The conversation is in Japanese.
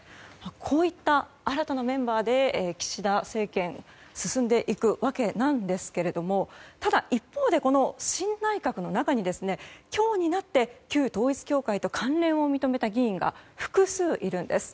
こういった新たなメンバーで岸田政権、進んでいくわけですがただ、一方で新内閣の中に今日になって旧統一教会と関連を認めた議員が複数いるんです。